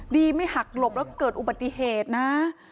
ดีไม่หักหลบแล้วเกิดอุบัติเหตุนะ